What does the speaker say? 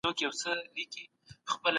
هغوی د احتکار ناوړه کار ته وهڅول سول.